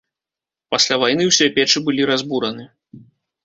Пасля вайны ўсе печы былі разбураны.